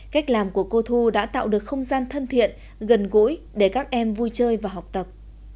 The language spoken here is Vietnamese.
cách làm của cô thu đã tạo được không gian thân thiện gần gũi để các em vui chơi và học tập